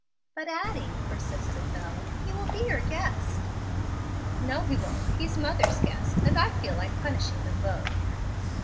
"But, Addie," persisted Bel, "he will be your guest." "No he won't. He's mother's guest, and I feel like punishing them both."